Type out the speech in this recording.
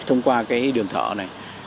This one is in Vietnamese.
thông qua cái đường thở này